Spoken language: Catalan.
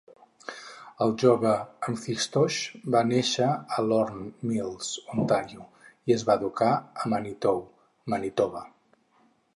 El jove McIntosh va néixer a Lorne Mills, Ontario, i es va educar a Manitou, Manitoba.